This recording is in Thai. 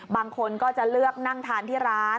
บางคนก็จะเลือกนั่งทานที่ร้าน